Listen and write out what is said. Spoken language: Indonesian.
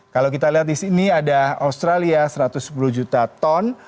kalau kita lihat di sini ada australia satu ratus sepuluh juta ton